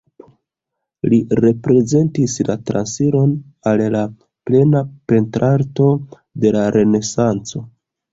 Li reprezentis la transiron al la plena pentrarto de la Renesanco.